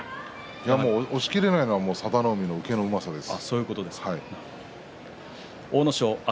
押しきれないのは佐田の海のうまさです。